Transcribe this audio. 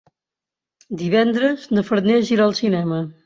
Divendres na Farners irà al cinema.